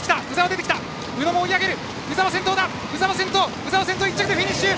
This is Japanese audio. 鵜澤、１着でフィニッシュ！